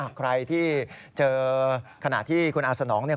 ใครที่เจอขณะที่คุณอาสนองเนี่ย